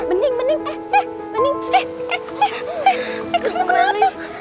bening bening ngapain disitu sendiri